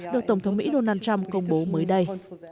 được tổng thống mỹ donald trump công bố mới đây